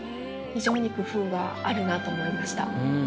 非常に工夫があるなと思いました。